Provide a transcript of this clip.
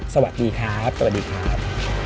สวัสดีครับสวัสดีครับ